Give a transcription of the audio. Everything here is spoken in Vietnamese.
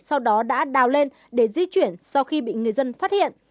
sau đó đã đào lên để di chuyển sau khi bị người dân phát hiện